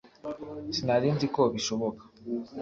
sinari nzi ko bishoboka